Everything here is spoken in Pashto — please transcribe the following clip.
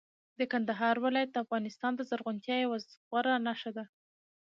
د کندهار ولایت د افغانستان د زرغونتیا یوه غوره نښه ده.